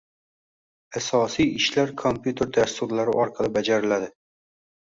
Asosiy ishlar kompyuter dasturlari orqali bajariladi.